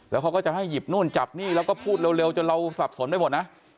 แล้วเขาก็จะให้หยิบนู่นจับนี่แล้วก็พูดเร็วจนเราสับสนไปหมดนะ